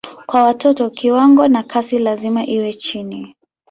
Kwa watoto kiwango na kasi lazima iwe chini.